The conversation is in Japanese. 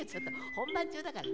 本番中だからね。